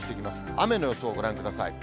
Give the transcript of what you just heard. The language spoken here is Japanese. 雨の予想をご覧ください。